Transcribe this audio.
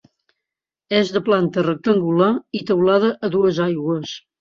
És de planta rectangular i teulada a dues aigües.